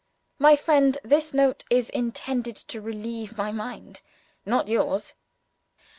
My friend, this note is intended to relieve my mind not yours.